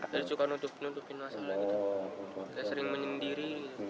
jadi juga nutupin masalah gitu sering menyendiri